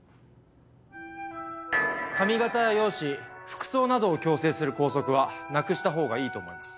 髪形や容姿服装などを強制する校則はなくしたほうがいいと思います。